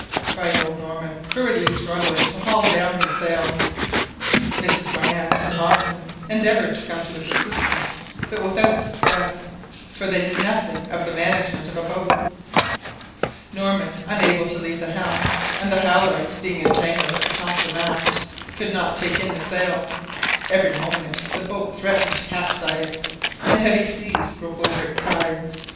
cried old Norman, hurriedly struggling to haul down his sail. Mrs Barnett and Hobson endeavoured to come to his assistance, but without success, for they knew noticing of the management of a boat. Norman, unable to leave the helm, and the halliards being entangled at the top of the mast, could not take in the sail. Every moment the boat threatened to capsize, and heavy seas broke over its sides.